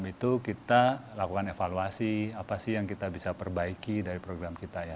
itu kita lakukan evaluasi apa sih yang kita bisa perbaiki dari program kita ya